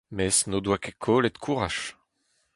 Mes n’o doa ket kollet kouraj.